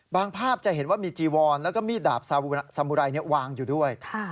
ภาพจะเห็นว่ามีจีวอนแล้วก็มีดดาบสามุไรวางอยู่ด้วย